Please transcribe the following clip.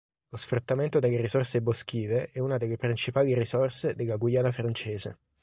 Lo sfruttamento delle risorse boschive è una delle principali risorse della Guyana francese.